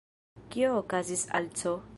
Kio okazis al C!?